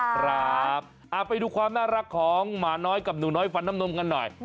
ครับไปดูความน่ารักของหมาน้อยกับหนูน้อยฟันน้ำนมกันหน่อย